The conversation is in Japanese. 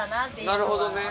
なるほどね。